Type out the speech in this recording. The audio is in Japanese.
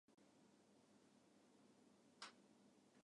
ペンパイナッポーアッポーペン